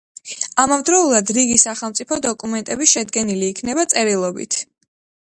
ამავდროულად, რიგი სახელმწიფო დოკუმენტები შედგენილი იქნება წერილობით.